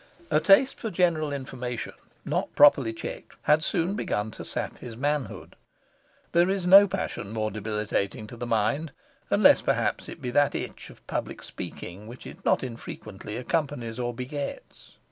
A taste for general information, not promptly checked, had soon begun to sap his manhood. There is no passion more debilitating to the mind, unless, perhaps, it be that itch of public speaking which it not infrequently accompanies or begets.